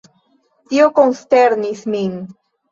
Tio konsternis min.